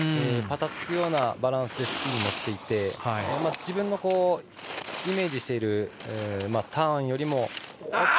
ばたつくようなバランスでスキーに乗っていて自分のイメージしているターンよりも。